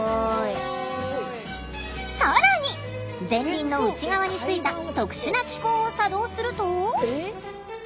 更に前輪の内側についた特殊な機構を作動すると。